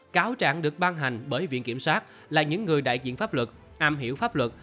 cáo trạng được ban hành bởi viện kiểm sát là những người đại diện pháp luật am hiểu pháp luật